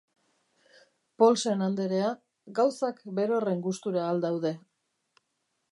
Paulsen anderea... gauzak berorren gustura al daude?